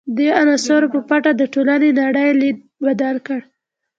دې عناصرو په پټه د ټولنې نړۍ لید بدل کړ.